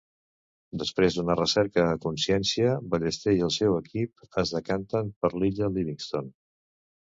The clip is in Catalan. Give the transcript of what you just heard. Després d'una recerca a consciència Ballester i el seu equip es decantaren per l'illa Livingston.